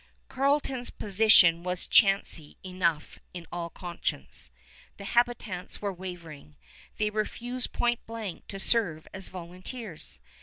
Carleton's position was chancy enough in all conscience. The habitants were wavering. They refused point blank to serve as volunteers.